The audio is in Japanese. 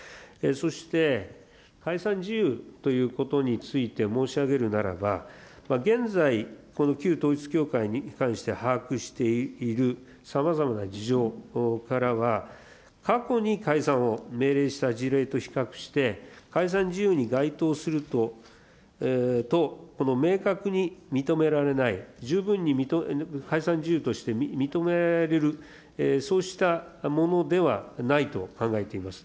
そして、解散事由ということについて申し上げるならば、現在、この旧統一教会に関して把握しているさまざまな事情からは、過去に解散を命令した事例と比較して、解散事由に該当すると明確に認められない、十分に解散事由として認められる、そうしたものではないと考えています。